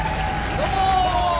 どうも。